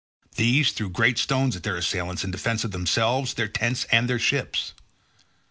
These threw great stones at their assailants in defence of themselves their tents and their ships.